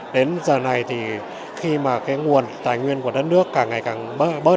đến giờ này thì khi mà cái nguồn tài nguyên của đất nước càng ngày càng bớt